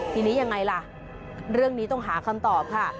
ทีนี้ยังไงล่ะเรื่องนี้ต้องหาคำตอบค่ะ